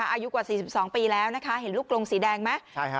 อายุกว่า๔๒ปีแล้วเห็นลูกโรงสีแดงมั้ย